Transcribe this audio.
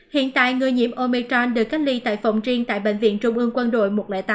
hiện tại người nhiễm omechain được cách ly tại phòng riêng tại bệnh viện trung ương quân đội một trăm linh tám